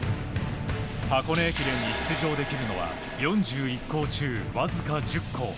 箱根駅伝に出場できるのは４１校中わずか１０校。